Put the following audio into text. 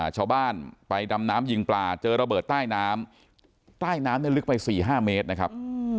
ชาวบ้านไปดำน้ำยิงปลาเจอระเบิดใต้น้ำใต้น้ำเนี่ยลึกไป๔๕เมตรนะครับ